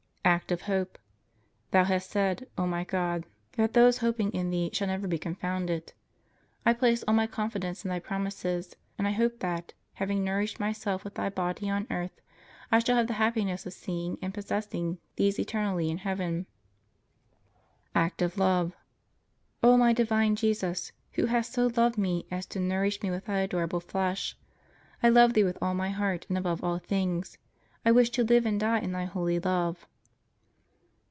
Act of Hope. Thou hast said, O my God, that those hoping in Thee shall never be confounded. I place all my confidence in Thy promises, and I hope that, having nourished myself with Thy body on earth, I shall have the happiness of seeing and possessing Thee eternally in heaven. Act of Love. O my divine Jesus, Who hast so loved me as to nourish me with Thy adorable flesh, I love Thee with all my heart and above all things; I wish to live and die in Thy holy love.